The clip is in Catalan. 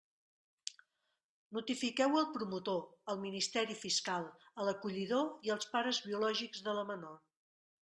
Notifiqueu-ho al promotor, al Ministeri Fiscal, a l'acollidor i als pares biològics de la menor.